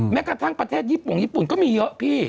แม้กระทั่งประเทศญี่ปุ่นญี่ปุ่นก็มีเยอะพี่